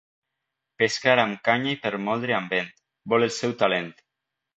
Pescar amb canya i per moldre amb vent, vol el seu talent.